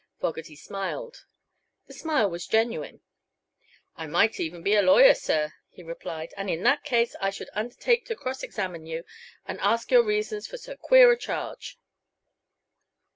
Fogerty smiled. The smile was genuine. "I might even be a lawyer, sir," he replied, "and in that case I should undertake to cross examine you, and ask your reasons for so queer a charge."